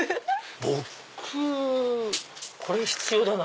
僕これ必要だな。